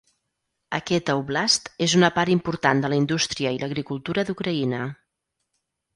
Aquesta oblast és una part important de la indústria i l'agricultura d'Ucraïna.